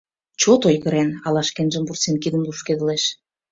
Чот ойгырен, ала шкенжым вурсен, кидым лупшкедылеш.